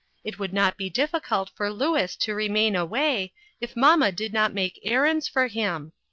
It would not be difficult for Louis to remain away, if mamma did not make errands for him.